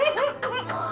もう。